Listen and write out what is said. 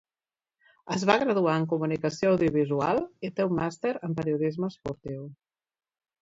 Es va graduar en Comunicació Audiovisual i té un màster en Periodisme esportiu.